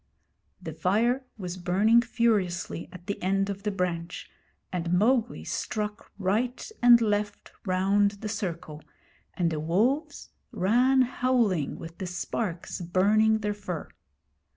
The fire was burning furiously at the end of the branch, and Mowgli struck right and left round the circle, and the wolves ran howling with the sparks burning their fur.